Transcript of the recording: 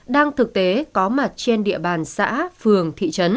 đang thực tế có mặt trên địa bàn xã phường